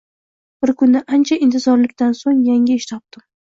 Bir kuni ancha intizorlikdan soʻng yangi ish topdim.